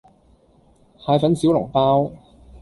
蟹粉小籠包